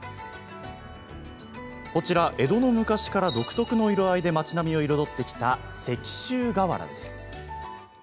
こちら、江戸の昔から独特の色合いで町並みを彩ってきた石州瓦。